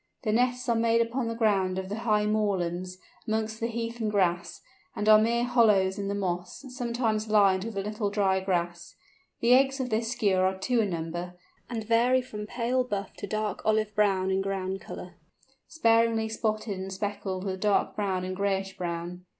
The nests are made upon the ground of the high moorlands, amongst the heath and grass, and are mere hollows in the moss, sometimes lined with a little dry grass. The eggs of this Skua are two in number, and vary from pale buff to dark olive brown in ground colour, sparingly spotted and speckled with dark brown and grayish brown.